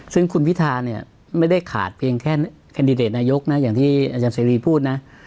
ซึ่งคุณพิธาเนี่ยไม่ได้ขาดเพียงแค่แคนดิเดตนายกนะอย่างที่อาจารย์เสรีพูดนะ